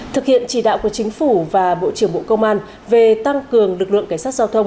thực hiện chỉ đạo của chính phủ và bộ trưởng bộ công an về tăng cường lực lượng cảnh sát giao thông